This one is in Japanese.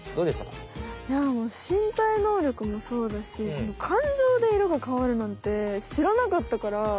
いやしんたいのうりょくもそうだし感情で色が変わるなんて知らなかったから。